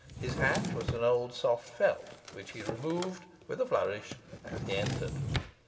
His hat was an old soft felt, which he removed with a flourish as he entered.